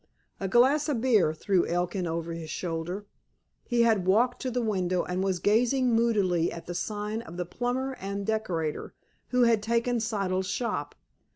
"A glass of beer," threw Elkin over his shoulder. He had walked to the window, and was gazing moodily at the sign of the "plumber and decorator" who had taken Siddle's shop.